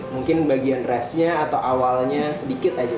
mungkin bagian resnya atau awalnya sedikit aja